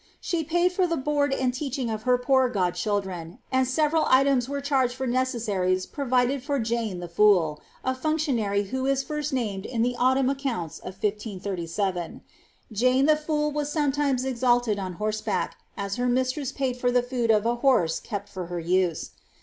She paid for the board and teaching of her poor god children, and several items are charged for necessaries provided for Jane the Fool," a func tionary who is first named in the autumn accounts of 1537. Jane the Fool was sometimes exalted on horseback, as her mistress paid for the food of a horse kept for her use.